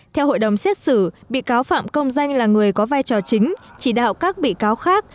theo hội đồng xét xử bị cáo phạm công danh là người có vai trò chính chỉ đạo các bị cáo khác